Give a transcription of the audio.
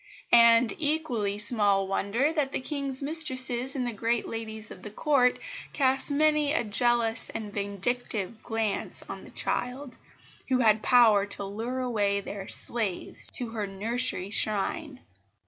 And equally small wonder that the King's mistresses and the great ladies of the Court cast many a jealous and vindictive glance on the child, who had power to lure away their slaves to her nursery shrine.